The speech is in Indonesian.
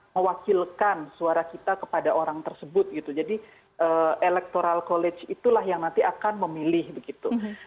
mewakilkan suara kita kepada orang tersebut gitu jadi electoral college itulah yang nanti akan memilih begitu